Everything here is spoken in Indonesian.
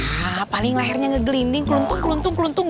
hah paling lahirnya ngegelinding kelumpung kelumpung